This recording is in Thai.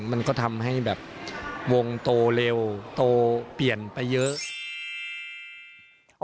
มันก็ทำให้แบบวงโตเร็วโตเปลี่ยนไปเยอะ